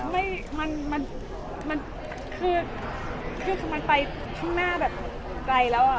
ไม่รู้จะไม่มันคือมันไปข้างหน้าแบบไกลแล้วอ่ะ